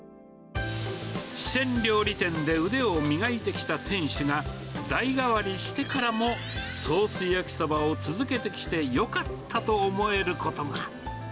四川料理店で腕を磨いてきた店主が代替わりしてからもソース焼きそばを続けてきてよかったと思えることが。